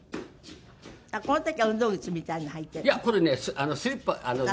この時は運動靴みたいなの履いてるの？